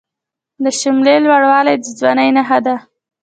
د شملې لوړوالی د ځوانۍ نښه ده.